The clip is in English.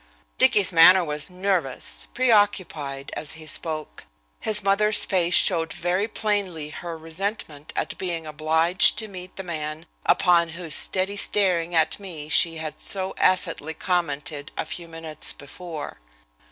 Dicky's manner was nervous, preoccupied, as he spoke. His mother's face showed very plainly her resentment at being obliged to meet the man upon whose steady staring at me she had so acidly commented a few minutes before.